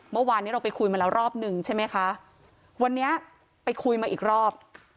เมื่อวานนี้เราไปคุยมาแล้วรอบหนึ่งใช่ไหมคะวันนี้ไปคุยมาอีกรอบ